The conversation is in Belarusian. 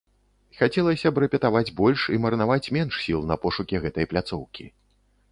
Хацелася б рэпетаваць больш і марнаваць менш сіл на пошукі гэтай пляцоўкі.